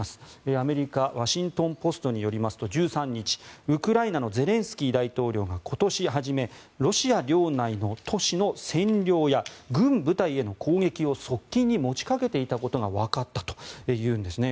アメリカワシントン・ポストによりますと１３日、ウクライナのゼレンスキー大統領が今年初めロシア領内の都市の占領や軍部隊への攻撃を側近に持ちかけていたことがわかったというんですね。